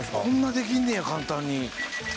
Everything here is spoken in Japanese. こんなできんねや簡単に。